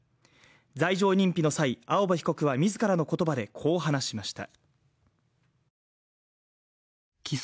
罪状認否の際、青葉被告は自らの言葉でこう話しました。